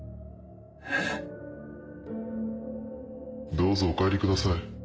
どうぞお帰りください。